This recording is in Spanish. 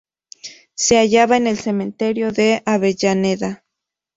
Se hallaba en el Cementerio de Avellaneda.